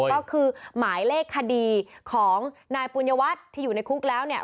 ก็คือหมายเลขคดีของนายปุญญวัฒน์ที่อยู่ในคุกแล้วเนี่ย